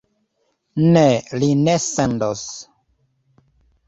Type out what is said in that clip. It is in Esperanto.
Ne, li ne sendos.